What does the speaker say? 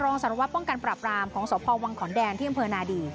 สารวัตรป้องกันปราบรามของสพวังขอนแดนที่อำเภอนาดี